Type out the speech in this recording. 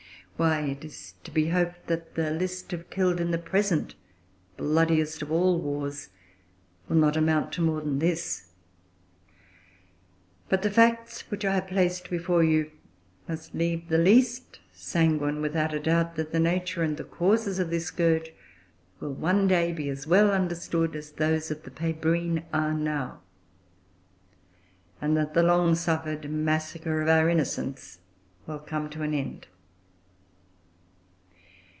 Why, it is to be hoped that the list of killed in the present bloodiest of all wars will not amount to more than this! But the facts which I have placed before you must leave the least sanguine without a doubt that the nature and the causes of this scourge will, one day, be as well understood as those of the Pébrine are now; and that the long suffered massacre of our innocents will come to an end.